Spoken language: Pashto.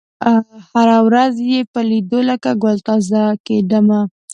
هره ورځ یې په لېدلو لکه ګل تازه کېدمه